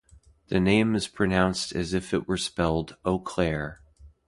The name is pronounced as if it were spelled "O'Clare".